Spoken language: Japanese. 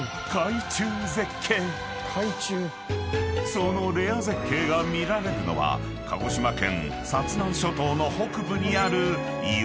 ［そのレア絶景が見られるのは鹿児島県薩南諸島の北部にある］